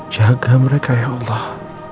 jaga mereka ya allah